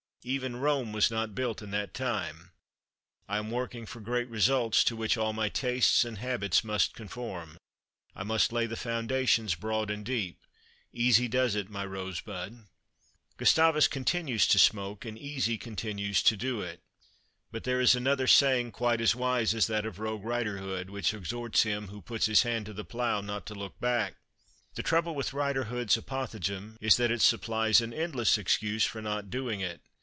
Even Rome was not built in that time. I am working for great results, to which all my tastes and habits must conform. I must lay the foundations broad and deep. Easy does it, my rose bud." Gustavus continues to smoke, and Easy continues to do it. But there is another saying quite as wise as that of Rogue Riderhood, which exhorts him who puts his hand to the plough not to look back. The trouble with Riderhood's apothegm is that it supplies an endless excuse for not doing it.